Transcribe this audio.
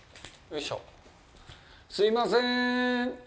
すいませーん。